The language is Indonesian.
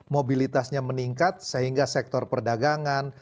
mobilitasnya meningkat sehingga sektor perdagangan